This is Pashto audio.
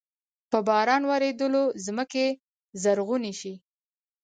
په باران ورېدلو زمکې زرغوني شي۔